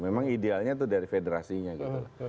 memang idealnya itu dari federasinya gitu loh